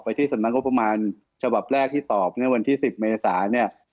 ที่สำนักงบประมาณฉบับแรกที่ตอบเมื่อวันที่๑๐เมษาเนี่ย